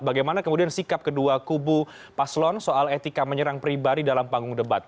bagaimana kemudian sikap kedua kubu paslon soal etika menyerang pribadi dalam panggung debat